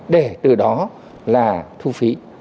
để từ đó là thu phí